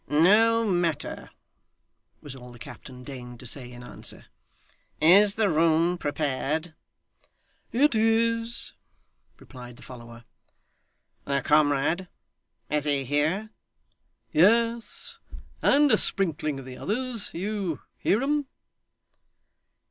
'No matter,' was all the captain deigned to say in answer. 'Is the room prepared?' 'It is,' replied the follower. 'The comrade is he here?' 'Yes. And a sprinkling of the others you hear 'em?